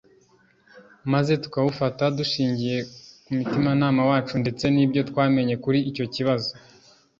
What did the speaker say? maze tukawufata dushingiye ku mutimanama wacu ndetse n’ibyo twamenye kuri icyo kibazo